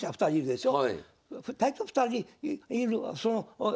でしょ。